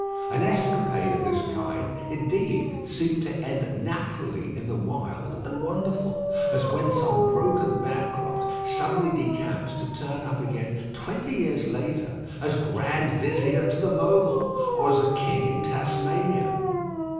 An escapade of this kind, indeed, seemed to end naturally in the wild and wonderful; as when some broken bankrupt suddenly decamps to turn up again twenty years later as Grand Vizier to the Mogul, or as a king in Tasmania.